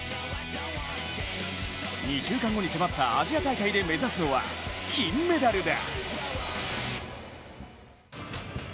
２週間後に迫ったアジア大会で目指すのは金メダルだ。